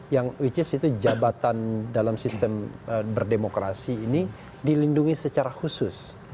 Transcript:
yang berada di dalam sistem berdemokrasi ini dilindungi secara khusus